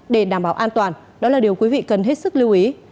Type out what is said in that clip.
để đảm bảo an toàn đó là điều quý vị cần hết sức lưu ý